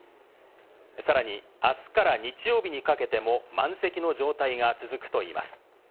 さらに、あすから日曜日にかけても満席の状態が続くといいます。